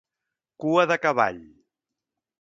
Cua de cavall.